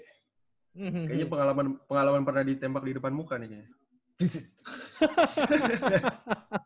kayaknya pengalaman pernah ditembak di depan muka nih kayaknya